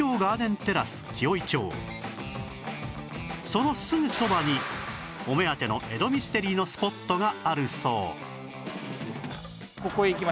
そのすぐそばにお目当ての江戸ミステリーのスポットがあるそう